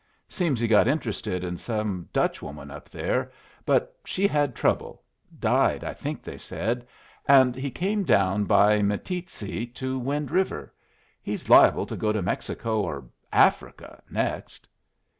Seems he got interested in some Dutchwoman up there, but she had trouble died, I think they said and he came down by Meteetsee to Wind River. He's liable to go to Mexico or Africa next."